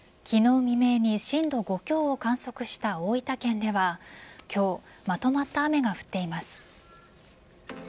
昨日未明に震度５強を観測した大分県では今日まとまった雨が降っています。